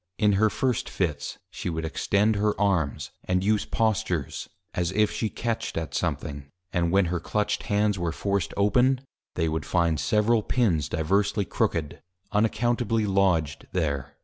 In her first Fits, she would Extend her Arms, and use Postures, as if she catched at something, and when her Clutched Hands were forced open, they would find several Pins diversely Crooked, unaccountably lodged there.